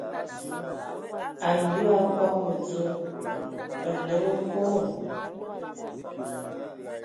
Anyu ya kɔbɔ mədzo, nnəm okodo.